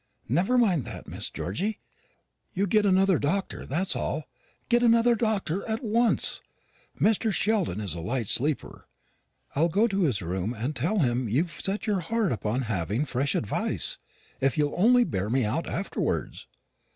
"Never mind that, Miss Georgy. You get another doctor, that's all; get another doctor at once. Mr. Sheldon is a light sleeper. I'll go to his room and tell him you've set your heart upon having fresh advice; if you'll only bear me out afterwards."